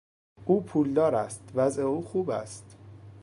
او پولدار است، وضع او خوب است.